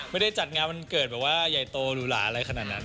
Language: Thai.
ไม่ได้จัดงานวันเกิดแบบว่าใหญ่โตหรูหลาอะไรขนาดนั้น